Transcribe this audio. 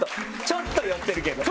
ちょっと寄ってる。